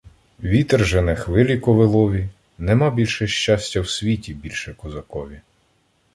Вітер жене хвилі ковилові: Нема більше щастя в світі більше козакові.